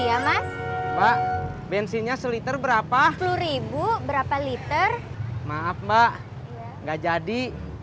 iya mas pak bensinnya seliter berapa sepuluh berapa liter maaf mbak nggak jadi